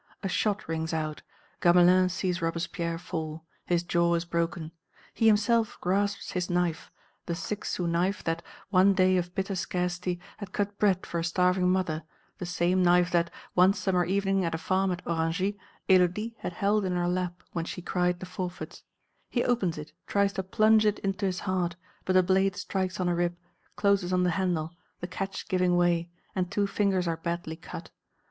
A shot rings out; Gamelin sees Robespierre fall; his jaw is broken. He himself grasps his knife, the six sous knife that, one day of bitter scarcity, had cut bread for a starving mother, the same knife that, one summer evening at a farm at Orangis, Élodie had held in her lap, when she cried the forfeits. He opens it, tries to plunge it into his heart, but the blade strikes on a rib, closes on the handle, the catch giving way, and two fingers are badly cut.